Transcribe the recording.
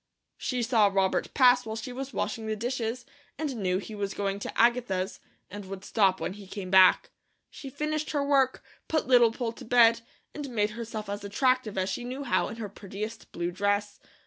She saw Robert pass while she was washing the dishes, and knew he was going to Agatha's, and would stop when he came back. She finished her work, put Little Poll to bed, and made herself as attractive as she knew how in her prettiest blue dress.